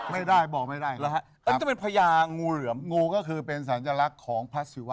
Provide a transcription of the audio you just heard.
ไม่ได้บอกไม่ได้อันนี้จะเป็นพญางูเหลือมงูก็คือเป็นสัญลักษณ์ของพระศิวะ